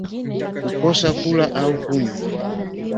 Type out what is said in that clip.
Kukosa kula au kunywa